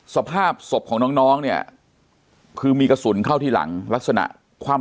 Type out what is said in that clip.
สภาพศพของน้องเนี่ยคือมีกระสุนเข้าที่หลังลักษณะคว่ำ